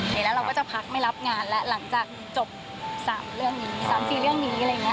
แล้วเราก็จะพักไม่รับงานแล้วหลังจากจบ๓๔เรื่องนี้